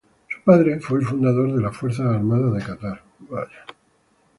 Su padre fue el fundador de las Fuerzas Armadas de Catar.